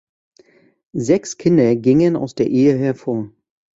Sechs Kinder gingen aus der Ehe hervor.